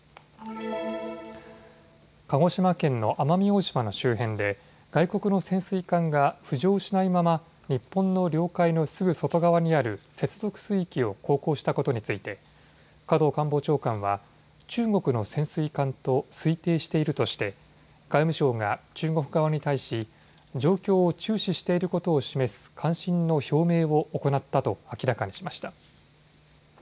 鹿児島県の奄美大島の周辺で外国の潜水艦が浮上しないまま日本の領海のすぐ外側にある接続水域を航行したことについて加藤官房長官は中国の潜水艦と推定しているとして外務省が中国側に対し状況を注視していることを示す関心の表明を行ったと、明らかにしました。